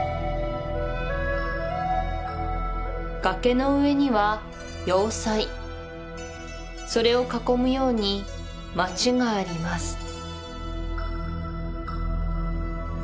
崖の上には要塞それを囲むように町があります